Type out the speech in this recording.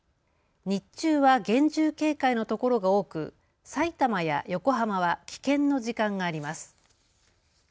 日中は厳重警戒の所が多くさいたまや横浜は危険の時間があります。